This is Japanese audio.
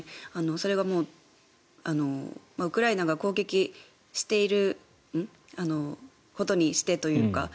それがウクライナが攻撃していることにしてというか。